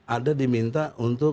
ada diminta untuk